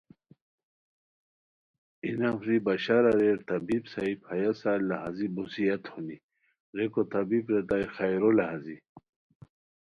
ای نفری بشار اریر طبیب صاحب ہیہ سال لہازی بو زیاد ہونی ریکو طبیب ریتائے خیرو لہازی